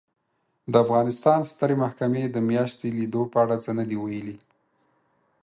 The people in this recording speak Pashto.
د افغانستان سترې محکمې د میاشتې لیدو په اړه څه نه دي ویلي